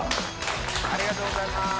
ありがとうございます。